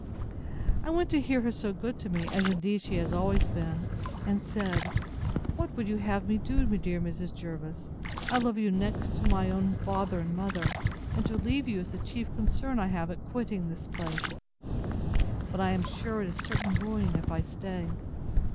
I went to hear her so good to me, as indeed she has always been, and said, What would you have me to do, dear Mrs. Jervis? I love you next to my own father and mother, and to leave you is the chief concern I have at quitting this place; but I am sure it is certain ruin if I stay.